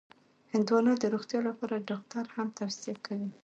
هندوانه د روغتیا لپاره ډاکټر هم توصیه کوي.